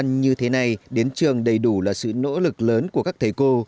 những nơi khó khăn như thế này đến trường đầy đủ là sự nỗ lực lớn của các thầy cô